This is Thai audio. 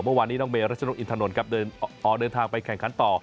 เมื่อวานนี้น้องเมรัชนกอินถนนครับเดินทางไปแข่งขันต่อ